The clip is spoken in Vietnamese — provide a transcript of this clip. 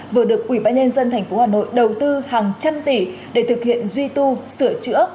vừa được ủy ban nhân dân tp hà nội đầu tư hàng trăm tỷ để thực hiện duy tu sửa chữa